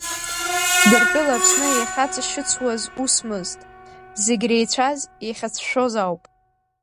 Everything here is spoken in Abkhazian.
Гыртәыла Аԥсны иахьаҵашьыцуаз усмызт, зегь иреицәаз иахьацәшәоз ауп.